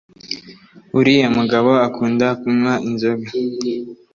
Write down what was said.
uriya mugabo akunda kunnywa inzoga